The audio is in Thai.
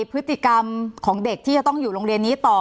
พฤติกรรมของเด็กที่จะต้องอยู่โรงเรียนนี้ต่อ